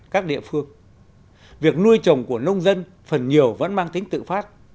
các địa phương việc nuôi trồng của nông dân phần nhiều vẫn mang tính tự phát